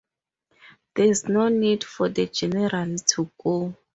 There is no need for the General to go.